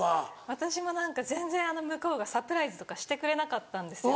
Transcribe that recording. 私も全然向こうがサプライズとかしてくれなかったんですよ。